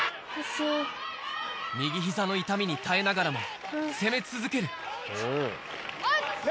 右ひざの痛みに耐えながらも、攻め続ける。